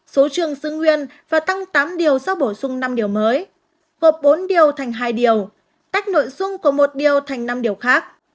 số trường giữ nguyên và tăng tám điều sau bổ sung năm điều mới hợp bốn điều thành hai điều tách nội dung của một điều thành năm điều khác